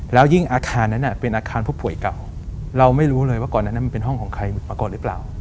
แล้วยิ่งอาคารนั้นเป็นอาคารผู้ป่วยเก่าเราไม่รู้เลยว่าก่อนนั้นมันเป็นห้องของใครปรากฏหรือเปล่า